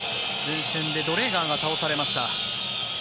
ここは今、前線でドレーガーが倒されました。